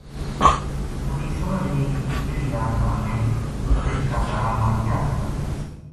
بڈھی سمجھ گئی جی کِہڑی رات ہم نے رچھ کا بارہ ما یاہ صلاح کئی تھی